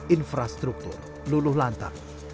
infrastruktur luluh lantai